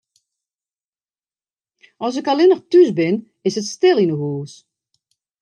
As ik allinnich thús bin, is it stil yn 'e hûs.